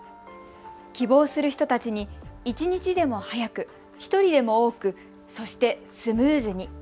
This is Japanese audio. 希望する人たちに一日でも早く、１人でも多く、そしてスムーズに。